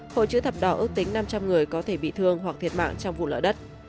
hội chữ thập đỏ ước tính năm trăm linh người có thể bị thương hoặc thiệt mạng trong vụ lở đất